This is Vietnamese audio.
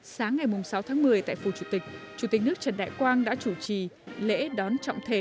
sáng ngày sáu tháng một mươi tại phù chủ tịch chủ tịch nước trần đại quang đã chủ trì lễ đón trọng thể